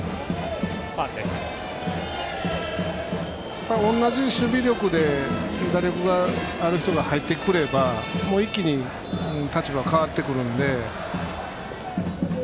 やっぱり、同じ守備力で打力がある人が入ってくれば一気に立場が変わってくるので。